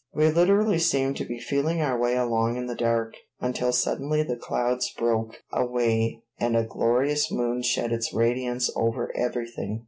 We literally seemed to be feeling our way along in the dark, until suddenly the clouds broke away and a glorious moon shed its radiance over everything.